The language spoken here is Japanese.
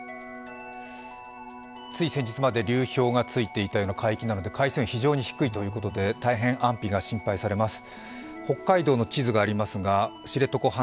つい先日まで流氷がついていたような海域なので海水温は非常に低いということで、大変安否が心配されます。